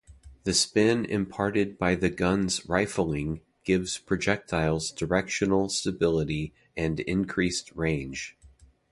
The spin imparted by the gun's rifling gives projectiles directional stability and increased range.